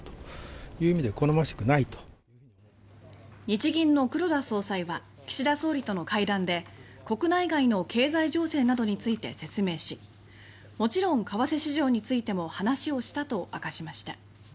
日銀の黒田総裁は岸田総理との会談で国内外の経済情勢などについて説明し「もちろん為替市場についても話をした」と明かしました。